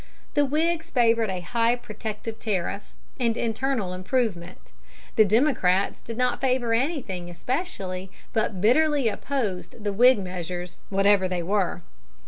The Whigs favored a high protective tariff and internal improvement. The Democrats did not favor anything especially, but bitterly opposed the Whig measures, whatever they were.